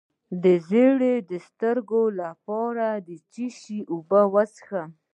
د زیړي د سترګو لپاره د څه شي اوبه وڅښم؟